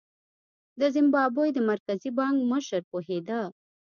د زیمبابوې د مرکزي بانک مشر پوهېده.